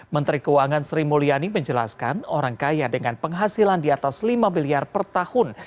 menteri keuangan sri mulyani menjelaskan orang kaya dengan penghasilan di atas lima miliar per tahun